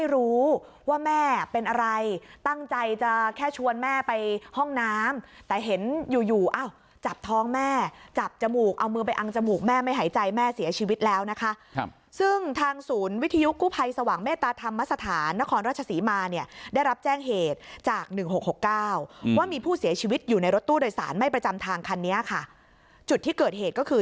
รู้ว่าแม่เป็นอะไรตั้งใจจะแค่ชวนแม่ไปห้องน้ำแต่เห็นอยู่อยู่อ้าวจับท้องแม่จับจมูกเอามือไปอังจมูกแม่ไม่หายใจแม่เสียชีวิตแล้วนะคะครับซึ่งทางศูนย์วิทยุกู้ภัยสว่างเมตตาธรรมสถานนครราชศรีมาเนี่ยได้รับแจ้งเหตุจาก๑๖๖๙ว่ามีผู้เสียชีวิตอยู่ในรถตู้โดยสารไม่ประจำทางคันนี้ค่ะจุดที่เกิดเหตุก็คือ